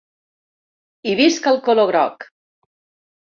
I visca el color groc!